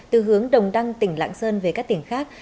từ hướng đồng đăng tỉnh lạng sơn về các tỉnh khác